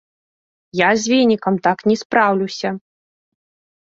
Я з венікам так не спраўлюся.